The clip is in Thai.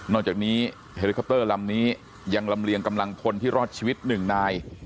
จากนี้เฮลิคอปเตอร์ลำนี้ยังลำเลียงกำลังพลที่รอดชีวิตหนึ่งนาย